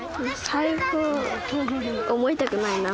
最後思いたくないな。